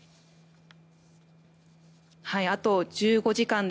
あと１５時間で